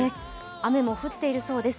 雨も降っているそうです。